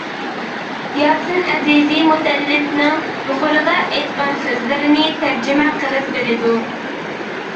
ياسىن ئەزىزى مۇتەللىپنىڭ يۇقىرىدا ئېيتقان سۆزلىرىنى تەرجىمە قىلىپ بېرىدۇ.